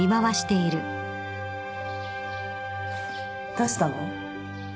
どうしたの？